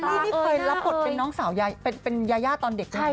เอลลี่นี่เคยรับบทเป็นน้องสาวยายาเป็นยายาตอนเด็กนี่